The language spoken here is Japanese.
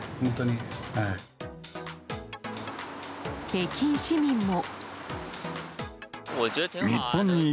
北京市民も。